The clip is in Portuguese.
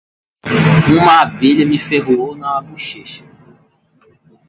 Um abelha me ferroou na bochecha.